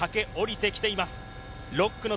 駆け降りてきています。